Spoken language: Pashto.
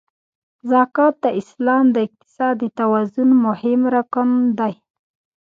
زکات د اسلام د اقتصاد د توازن مهم رکن دی.